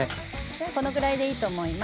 じゃあこのぐらいでいいと思います。